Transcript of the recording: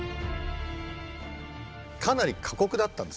かなり過酷だったんですよ。